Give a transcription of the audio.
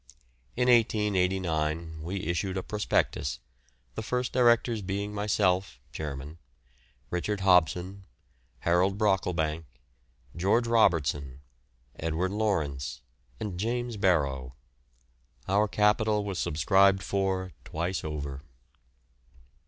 In 1889 we issued a prospectus, the first directors being myself (chairman), Richard Hobson, Harold Brocklebank, George Robertson, Edward Lawrence, and James Barrow. Our capital was subscribed for twice over.